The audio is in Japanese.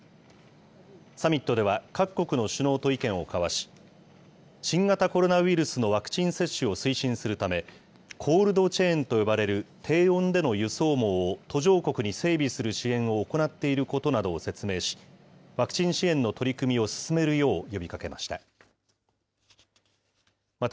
サミットでは各国の首脳と意見を交わし、新型コロナウイルスのワクチン接種を推進するため、コールドチェーンと呼ばれる低温での輸送網を途上国に整備する支援を行っていることなどを説明し、ワクチン支援の取り組みを進めるよう呼びかけました。